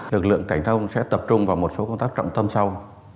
lực lượng cảnh sát giao thông sẽ tập trung vào một số công tác trọng tâm sau